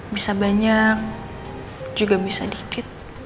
bisa banyak juga bisa dikit